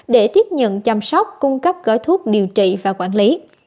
để tiếp nhận chăm sóc cung cấp gói thuốc điều trị và quản lý